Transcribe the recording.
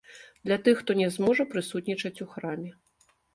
Для тых, хто не зможа прысутнічаць у храме.